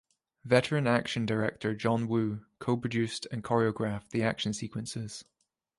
Veteran action director John Woo co-produced and choreographed the action sequences.